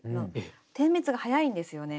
点滅が早いんですよね。